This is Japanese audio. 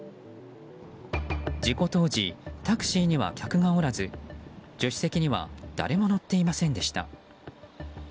事故当時タクシーには客がおらず助手席には誰も乗っていませんでした。